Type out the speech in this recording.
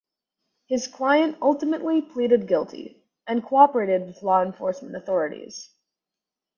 His client ultimately pleaded guilty and cooperated with law enforcement authorities.